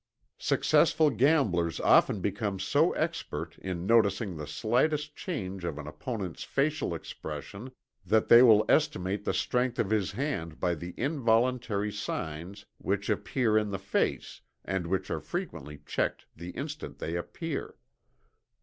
Successful gamblers often become so expert in noticing the slightest change of an opponent's facial expression that they will estimate the strength of his hand by the involuntary signs which appear in the face and which are frequently checked the instant they appear."